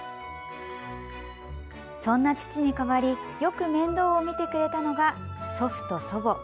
そんな父に代わり、よく面倒を見てくれたのが祖父と祖母。